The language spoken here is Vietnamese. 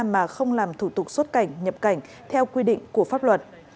mà không làm thủ tục xuất cảnh nhập cảnh theo quy định của pháp luật